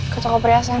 ke toko perhiasan